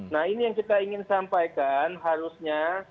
nah ini yang kita ingin sampaikan harusnya